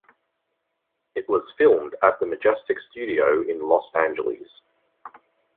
It was filmed at the Majestic Studio in Los Angeles.